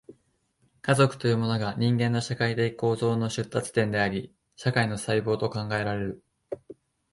家族というものが、人間の社会的構成の出立点であり、社会の細胞と考えられる。